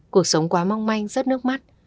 cuộc sống quá mong manh rớt nước mắt